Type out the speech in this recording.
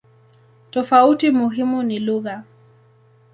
Tofauti muhimu ni lugha.